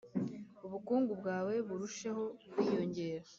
ubukungu bwawe burusheho kwiyongera